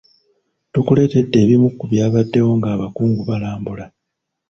Tukuletedde ebimu ku byabaddeyo nga abakungu balambula.